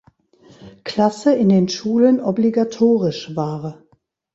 Klasse in den Schulen obligatorisch war.